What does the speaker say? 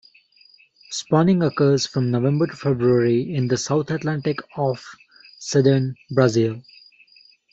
Spawning occurs from November to February in the South Atlantic off southern Brazil.